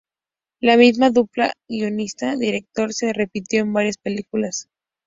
La misma dupla guionista-director se repitió en varias películas.